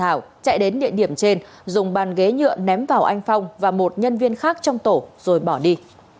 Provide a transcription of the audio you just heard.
hương và thảo chạy đến địa điểm trên dùng bàn ghế nhựa ném vào anh phong và một nhân viên khác trong tổ rồi bỏ đi